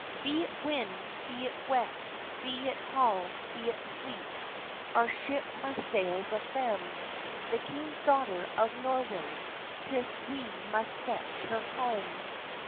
"Be it wind, be it weet, be it hall, be it sleet, Our ship must sail the faem; The king's daughter of Noroway, 'Tis we must fetch her hame."